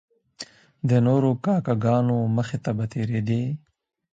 د نورو کاکه ګانو مخې ته به تیریدی.